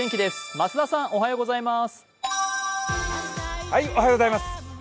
増田さん、おはようございます。